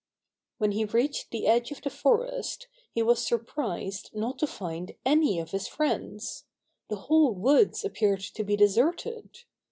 When he reached the edge of the forest, he was surprised not to find any of his friends. The whole woods appeared to be deserted.